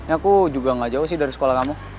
aku juga gak jauh sih dari sekolah kamu